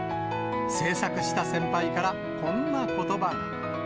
制作した先輩から、こんなことばが。